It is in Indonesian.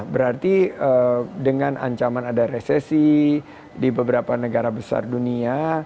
berarti dengan ancaman ada resesi di beberapa negara besar dunia